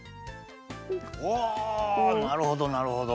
おなるほどなるほど。